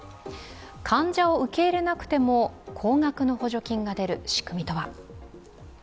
患者を受け入れなくても高額の補助金が出る仕組みとは。